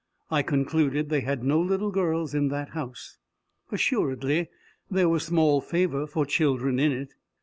I concluded they had no little girls in that house. Assuredly there was small favour for children in it.